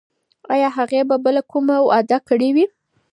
ایا هغې به بله کومه وعده کړې وي؟